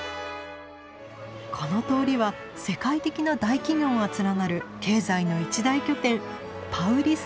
この通りは世界的な大企業が連なる経済の一大拠点パウリスタ通り。